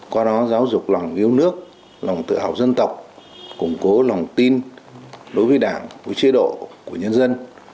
qua đó giáo dục lòng yêu nước lòng tự hào dân tộc củng cố lòng tin đối với đảng với chế độ của nhân dân